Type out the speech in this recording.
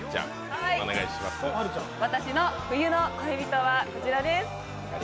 私の冬の恋人はこちらです。